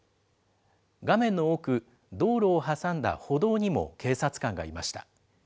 画面の奥、道路を挟んだ歩道にも警察官がいました。